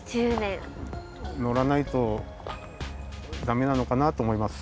のらないとダメなのかなとおもいます。